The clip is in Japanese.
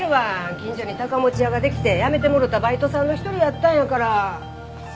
近所に高持屋ができて辞めてもろたバイトさんの一人やったんやから。